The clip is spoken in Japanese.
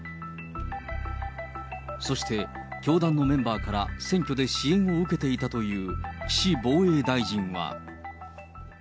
そして、教団のメンバーから選挙で支援を受けていたという岸防衛大臣は。